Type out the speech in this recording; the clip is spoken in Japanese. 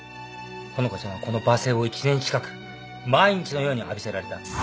ほのかちゃんはこの罵声を１年近く毎日のように浴びせられた。